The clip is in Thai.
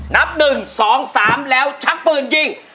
นับหนึ่งสองสามแล้วชักปืนยิง